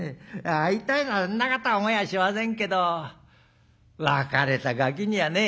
会いたいなぞんなこと思いはしませんけど別れたがきにはね」。